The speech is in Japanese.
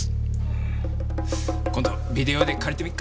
今度ビデオ屋で借りてみるか。